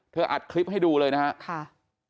เธออัดคลิปให้ดูเลยนะครับค่ะค่ะ